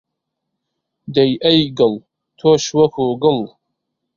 دەی ئەی گڵ، تۆش وەکو گڵ